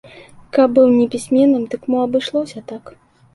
Каб быў непісьменным, дык мо абышлося так.